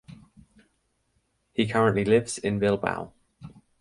He currently lives in Bilbao.